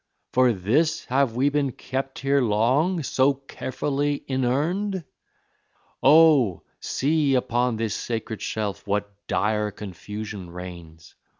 For this have we been kept here long, so carefully inurned? Oh, see, upon this sacred shelf what dire confusion reigns!